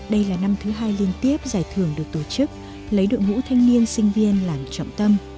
đây là năm thứ hai liên tiếp giải thưởng được tổ chức lấy đội ngũ thanh niên sinh viên làm trọng tâm